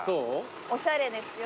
おしゃれですよ。